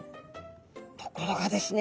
ところがですね